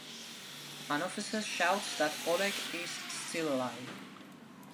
An officer shouts that Oleg is still alive.